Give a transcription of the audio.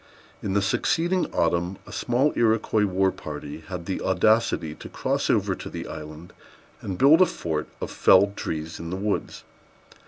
In the succeeding autumn a small Iroquois war party had the audacity to cross over to the island, and build a fort of felled trees in the woods.